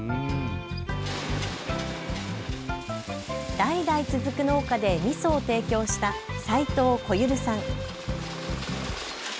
代々続く農家でみそを提供した齊藤超さん。